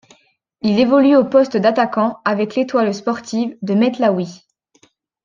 Il évolue au poste d'attaquant avec l'Étoile sportive de Métlaoui.